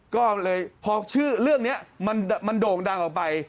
ก็เลยพอชื่อเรื่องนี้มันโด่งดังออกไป